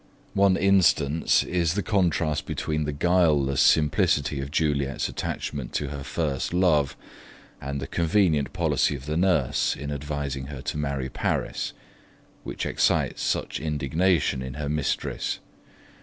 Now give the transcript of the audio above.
One instance is the contrast between the guileless simplicity of Juliet's attachment to her first love, and the convenient policy of the nurse in advising her to marry Paris, which excites such indignation in her mistress.